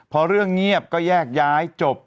พอเรื่องเงียบก็แยกย้ายจบ